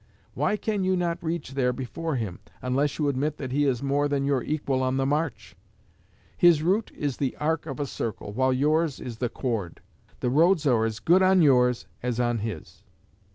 Why can you not reach there before him, unless you admit that he is more than your equal on the march? His route is the arc of a circle, while yours is the chord. The roads are as good on yours as on his.